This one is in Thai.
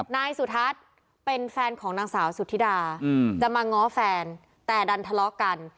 นายสุทัศน์เป็นแฟนของนางสาวสุธิดาจะมาง้อแฟนแต่ดันทะเลาะกัน